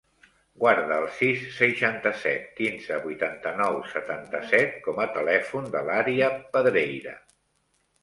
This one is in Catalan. Guarda el sis, seixanta-set, quinze, vuitanta-nou, setanta-set com a telèfon de l'Ària Pedreira.